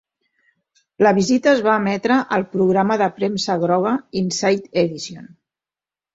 La visita es va emetre al programa de premsa groga "Inside Edition".